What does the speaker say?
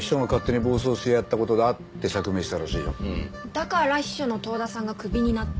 だから秘書の遠田さんがクビになった。